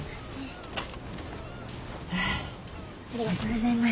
ありがとうございます。